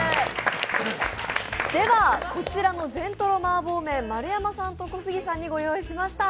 こちらの全とろ麻婆麺丸山さんと小杉さんにご用意しました。